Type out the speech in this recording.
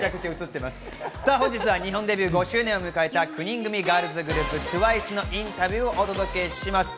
本日は日本デビュー５周年を迎えた９人組ガールズグループＴＷＩＣＥのインタビューをお届けします。